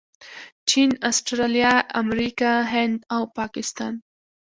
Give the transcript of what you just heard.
چین، اسټرلیا، امریکا، هند او پاکستان